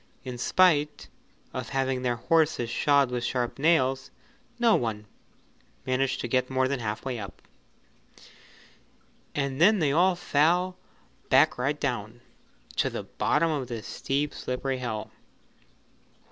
In spite of having their horses shod with sharp nails, no one managed to get more than half way up, and then they all fell back right down to the bottom of the steep slippery hill.